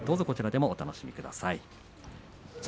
こちらでもお楽しみください。